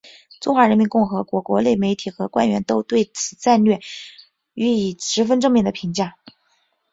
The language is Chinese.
中华人民共和国国内媒体和官员都对此战略予以十分正面的评价。